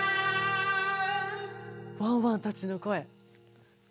ワンワンたちのこえ。